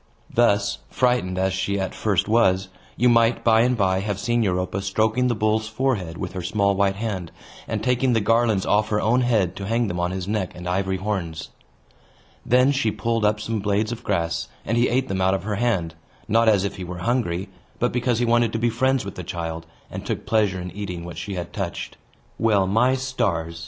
Thus, frightened as she at first was, you might by and by have seen Europa stroking the bull's forehead with her small white hand, and taking the garlands off her own head to hang them on his neck and ivory horns. Then she pulled up some blades of grass, and he ate them out of her hand, not as if he were hungry, but because he wanted to be friends with the child, and took pleasure in eating what she had touched. Well, my stars!